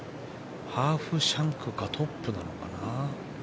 ハーフシャンクかトップなのかな。